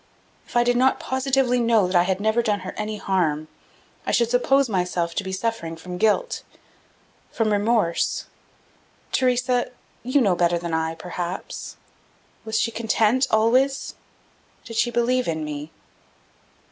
"If I did not positively know that I had never done her any harm, I should suppose myself to be suffering from guilt, from remorse.... Theresa, you know better than I, perhaps. Was she content, always? Did she believe in me?"